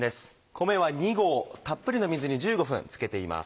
米は２合たっぷりの水に１５分つけています。